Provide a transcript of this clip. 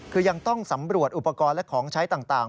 คือยังต้องสำรวจอุปกรณ์และของใช้ต่าง